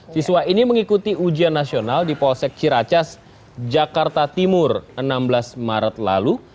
siswa ini mengikuti ujian nasional di polsek ciracas jakarta timur enam belas maret lalu